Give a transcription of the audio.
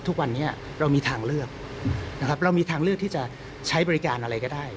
ทุกวันนี้เรามีทางเลือกนะครับเรามีทางเลือกที่จะใช้บริการอะไรก็ได้